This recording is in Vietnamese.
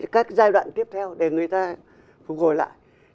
các giai đoạn tiếp theo để người ta phục hồi lại